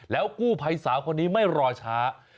แล้วกู้ไพสาวคนนี้ไม่รอช้า